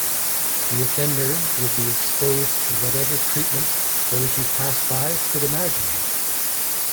The offender would be exposed to whatever treatment those who passed by could imagine.